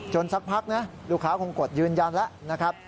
สักพักนะลูกค้าคงกดยืนยันแล้วนะครับ